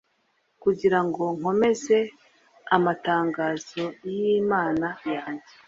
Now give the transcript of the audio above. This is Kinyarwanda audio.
kugira ngo nkomeze amatangazo y'imana yanjye